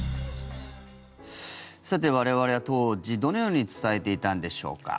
さて、我々は当時どのように伝えていたのでしょうか。